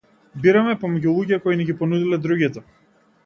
Бираме помеѓу луѓе кои ни ги понудиле другите.